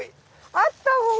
合ったもん